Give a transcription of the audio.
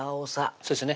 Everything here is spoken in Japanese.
そうですね